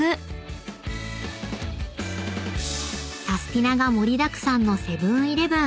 ［サスティな！が盛りだくさんのセブン−イレブン］